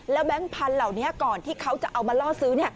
แก๊งพันธุ์เหล่านี้ก่อนที่เขาจะเอามาล่อซื้อ